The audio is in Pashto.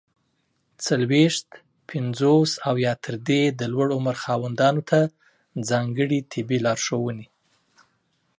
څلوېښت، پنځوس او یا تر دې د لوړ عمر خاوندانو ته ځانګړي طبي لارښووني!